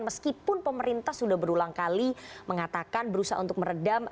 meskipun pemerintah sudah berulang kali mengatakan berusaha untuk meredam